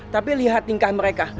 tapi lihat lingkah mereka